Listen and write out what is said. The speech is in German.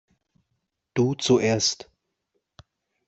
Du zuerst.